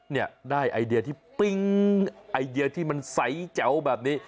เนี่ยได้ไอเดียที่ปิ๊งไอเดียที่มันใสแจ๋วแบบนี้